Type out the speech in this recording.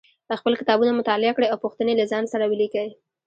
خپل کتابونه مطالعه کړئ او پوښتنې له ځان سره ولیکئ